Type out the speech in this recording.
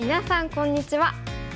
こんにちは。